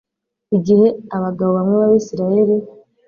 igihe abagabo bamwe b'abisirayeli